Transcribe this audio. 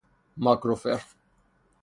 ماکروفر